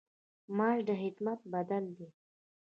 معاش د خدمت بدل دی